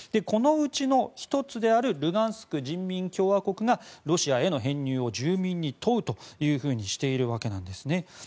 このうちの１つであるルガンスク人民共和国がロシアへの編入を住民に問うとしているわけですね。